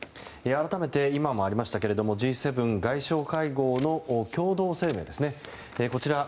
改めて今もありましたがＧ７外相会合の共同声明ですね。